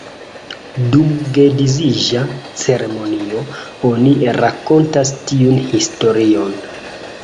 Dum geedziĝa ceremonio, oni rakontas tiun historion.